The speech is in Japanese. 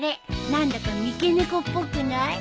何だか三毛猫っぽくない？